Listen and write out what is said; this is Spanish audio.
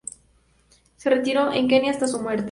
Se retiró a Kenia hasta su muerte.